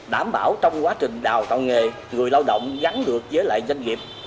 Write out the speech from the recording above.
đảm bảo trong quá trình đào tạo nghề người lao động gắn được với lại doanh nghiệp